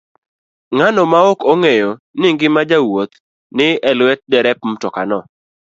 Ng'ano maok ong'eyo ni ngima jowuoth ni e lwet derep mtokano?